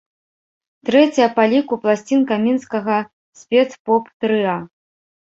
Трэцяя па ліку пласцінка мінскага спец-поп-трыа.